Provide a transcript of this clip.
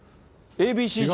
ＡＢＣ順。